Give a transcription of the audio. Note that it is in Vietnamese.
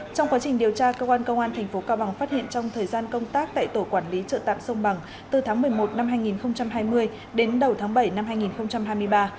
trong quá trình điều tra cơ quan công an tp cao bằng phát hiện trong thời gian công tác tại tổ quản lý chợ tạm sông bằng từ tháng một mươi một năm hai nghìn hai mươi đến đầu tháng bảy năm hai nghìn hai mươi ba